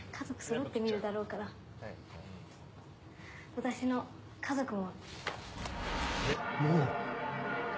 私の家族も。